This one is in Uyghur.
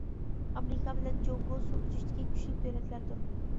ئامېرىكا بىلەن جۇڭگو سۇ ئۈزۈشتىكى كۈچلۈك دۆلەتلەردۇر.